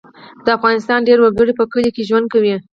د افغانستان ډیری وګړي په کلیو کې ژوند کوي